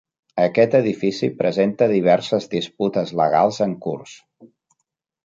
Aquest edifici presenta diverses disputes legals en curs.